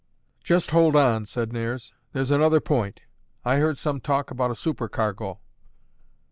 "Just hold on," said Nares. "There's another point. I heard some talk about a supercargo."